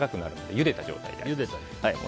ゆでた状態で。